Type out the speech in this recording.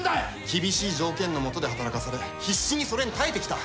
厳しい条件のもとで働かされ必死にそれに耐えてきた。